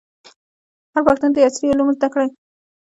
هر پښتون دي عصري علوم زده کړي.